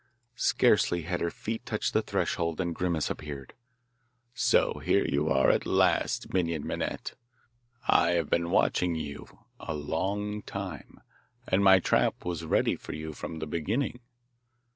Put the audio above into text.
Scarcely had her feet touched the threshold than Grimace appeared. 'So here you are at last, Minon Minette! I have been watching for you a long time, and my trap was ready for you from the beginning.